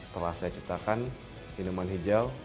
telah saya ciptakan minuman hijau